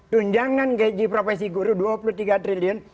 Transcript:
tunjangan gaji profesi guru dua puluh tiga triliun